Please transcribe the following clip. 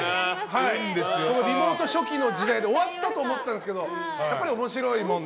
リモート初期の時代で終わったと思ったんですけどやっぱり面白いもんで。